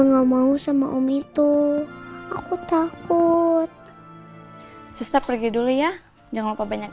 nggak mau sama om itu aku takut sister pergi dulu ya jangan lupa banyak